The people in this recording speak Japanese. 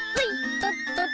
とっとっ。